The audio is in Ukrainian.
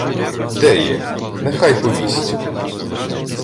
— Де є? Нехай повість!